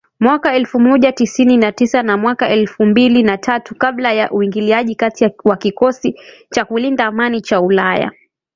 Mwaka elfu moja tisini na tisa na mwaka elfu mbili na tatu kabla ya uingiliaji kati wa kikosi cha kulinda amani cha ulaya